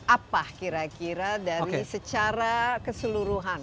apa kira kira dari secara keseluruhan